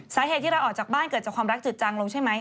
สาเหตุที่เราออกจากบ้านเกิดจากความรักจุดจังลงใช่ไหม